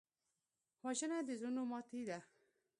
وژنه د زړونو ماتې ده